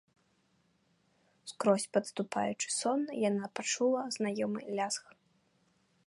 Скорзь падступаючы сон яна пачула знаёмы лязг.